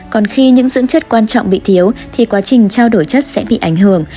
còn khi những dưỡng chất quan trọng bị thiếu thì quá trình trao đổi chất sẽ bị ảnh hưởng